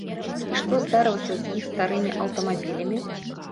І што здарылася з іх старымі аўтамабілямі?